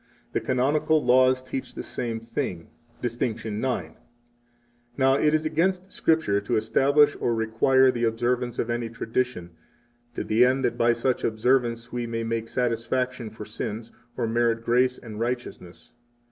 The Canonical Laws teach the same thing (Dist. IX). 35 Now, it is against Scripture to establish or require the observance of any traditions, to the end that by such observance we may make satisfaction for sins, or merit grace and righteousness.